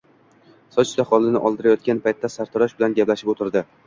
Soch-soqolini oldirayotgan paytda sartarosh bilan gaplashib oʻtirdi